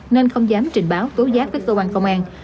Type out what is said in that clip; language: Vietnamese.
nên không dám trình báo tố giác với cơ quan công an